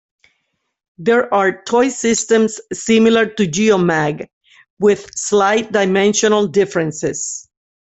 There are toy systems similar to Geomag, with slight dimensional differences.